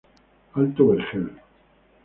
Alto Vergel.